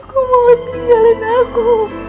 aku mau tinggalin aku